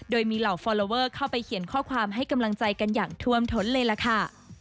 โดยมีเหล่าฟอลลอเวอร์เข้าไปเขียนข้อความให้กำลังใจกันอย่างท่วมท้นเลยล่ะค่ะ